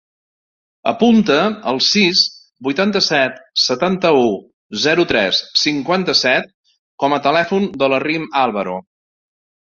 Apunta el sis, vuitanta-set, setanta-u, zero, tres, cinquanta-set com a telèfon de la Rim Alvaro.